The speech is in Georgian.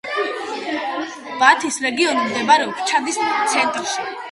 ბათის რეგიონი მდებარეობს ჩადის ცენტრში.